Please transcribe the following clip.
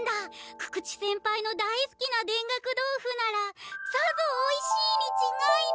久々知先輩の大すきな田楽豆腐ならさぞおいしいにちがいない。